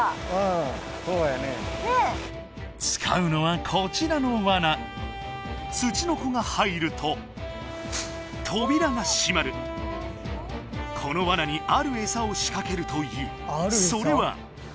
そうやねねえ使うのはこちらの罠ツチノコが入ると扉が閉まるこの罠にあるエサを仕掛けるというそれは？